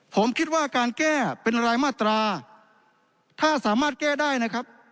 ผมคิดว่าการแก้เป็นรายมาตราถ้าสามารถแก้ได้นะครับ